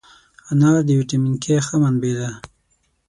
انار د ویټامین K ښه منبع ده.